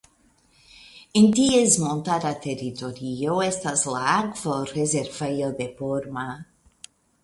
En ties montara teritorio estas la Akvorezervejo de Porma.